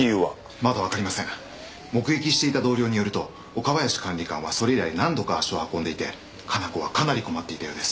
まだ分かりません目撃していた同僚によると岡林管理官はそれ以来何度か足を運んでいて加奈子はかなり困っていたようです